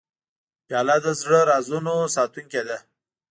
پیاله د رازونو ساتونکې ده.